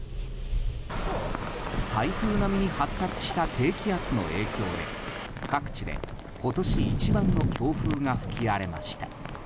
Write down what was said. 台風並みに発達した低気圧の影響で各地で今年一番の強風が吹き荒れました。